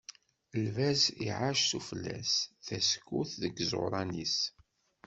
Lbaz iɛac sufella-s, tasekkurt deg yiẓuran-is.